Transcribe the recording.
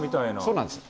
そうなんです。